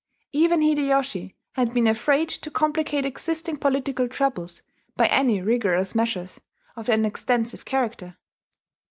Even Hideyoshi had been afraid to complicate existing political troubles by any rigorous measures of an extensive character.